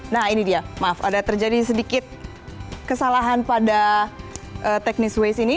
nah ini dia maaf ada terjadi sedikit kesalahan pada teknis waze ini